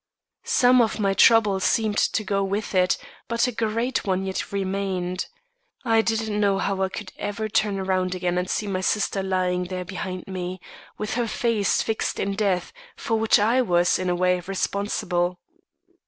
"Some of my trouble seemed to go with it, but a great one yet remained. I didn't know how I could ever turn around again and see my sister lying there behind me, with her face fixed in death, for which I was, in a way, responsible.